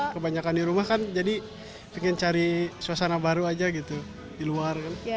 kebanyakan di rumah kan jadi pengen cari suasana baru aja gitu di luar kan